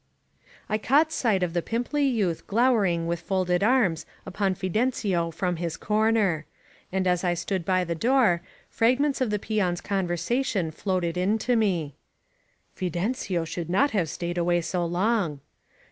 I caught sight of the pimply youth glowering with folded arms upon Fidencio from his corner; and as I stood by the door, fragments of the peons' conversa tion floated in to me : Fidencio should not have stayed away so long.'